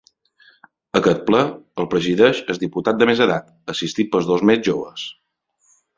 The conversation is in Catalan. Aquest ple el presideix el diputat de més edat, assistit pels dos més joves.